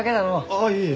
ああいえ。